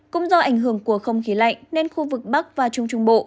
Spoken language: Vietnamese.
cũng do ảnh hưởng của không khí lạnh nên khu vực bắc và trung trung bộ